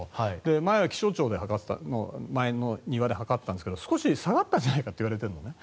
前は気象庁の周りの庭で測っていたんだけど少し下がったんじゃないかといわれているのね。